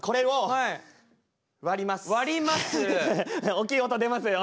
おっきい音出ますよ。